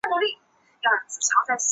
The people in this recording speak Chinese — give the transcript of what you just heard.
被毛隙蛛为暗蛛科隙蛛属的动物。